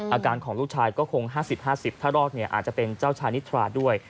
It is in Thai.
อาการของลูกชายก็คง๕๐๕๐ถ้ารอดอาจจะเป็นเจ้าชายนิทราด้วย